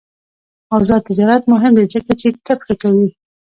آزاد تجارت مهم دی ځکه چې طب ښه کوي.